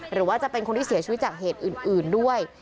หรือว่าจะเป็นคนที่เสียชีวิตจากเหตุอื่นด้วย